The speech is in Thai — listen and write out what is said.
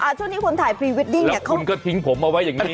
ช่วงนี้คนถ่ายพรีเวดดิ้งเนี่ยคุณก็ทิ้งผมเอาไว้อย่างนี้